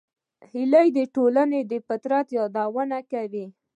هیلۍ د ټولنې د فطرت یادونه کوي